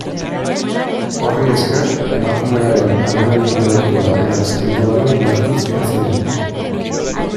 Horri esker, emakumearen adimen intelektuala eta espirituala indartuz joan ziren.